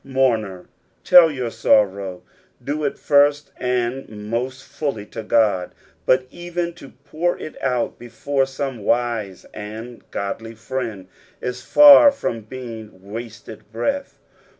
Mourner, tell your sorrow ; do it first and most fully to God, but even to pour it out before some wise and godly friend is far from being wasted breath.